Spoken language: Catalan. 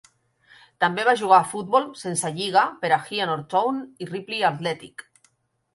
També va jugar a futbol sense lliga per a Heanor Town i Ripley Athletic.